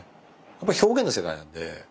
やっぱり表現の世界なんで。